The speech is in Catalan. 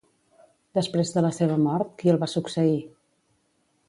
Després de la seva mort, qui el va succeir?